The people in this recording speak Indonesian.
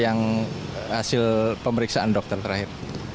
yang hasil pemeriksaan dokter terakhir